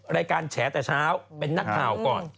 รายการแชร์แต่เช้าเป็นนักข่าวก่อน